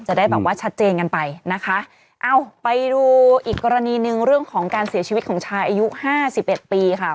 จะได้แบบว่าชัดเจนกันไปนะคะเอ้าไปดูอีกกรณีหนึ่งเรื่องของการเสียชีวิตของชายอายุห้าสิบเอ็ดปีค่ะ